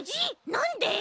なんで！？